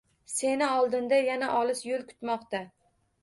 Seni oldinda yana olis yo`l kutmoqda